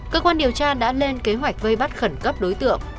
cơ quan điều tra đã lên kế hoạch vây bắt khẩn cấp đối tượng